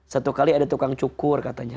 satu kali ada tukang cukur katanya